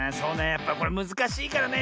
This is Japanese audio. やっぱりこれむずかしいからね